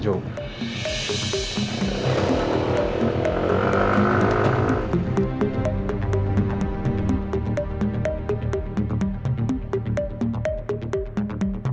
terima kasih pau